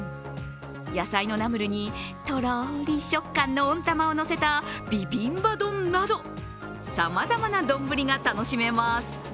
野菜のナムルにとろり食感の温玉をのせたビビンバ丼などさまざまなどんぶりが楽しめます。